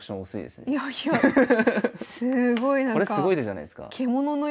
すごいなんかこれすごい手じゃないすか？